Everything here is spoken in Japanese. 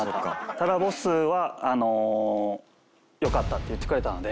ただボスはあのよかったって言ってくれたので。